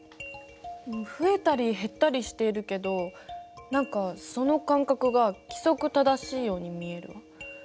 増えたり減ったりしているけど何かその間隔が規則正しいように見えるわ。